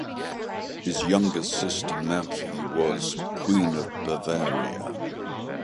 His youngest sister Marie was Queen of Bavaria.